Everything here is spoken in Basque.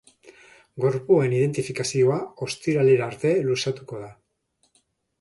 Gorpuen identifikazioa ostiralera arte luzatuko da.